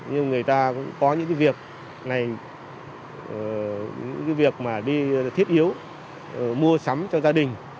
nhưng người ta cũng có những việc này những việc mà đi thiết yếu mua sắm cho gia đình